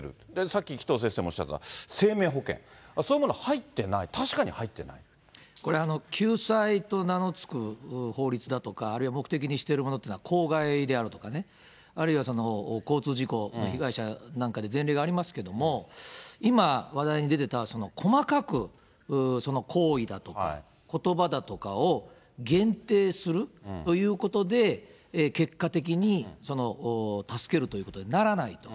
さっき紀藤先生もおっしゃっていた、生命保険、そういうもの入ってない、これ、救済と名の付く法律だとか、あるいは目的にしているものというのはこうがいであるとかね、あるいは交通事故被害者なんかで前例がありますけれども、今、話題に出ていた細かく、その行為だとか、ことばだとかを限定するということで、結果的に助けるということにならないと。